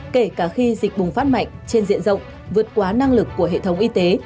kể cả khi dịch bùng phát mạnh trên diện rộng vượt quá năng lực của hệ thống y tế